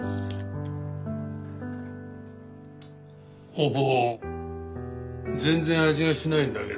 ほほう全然味がしないんだけど。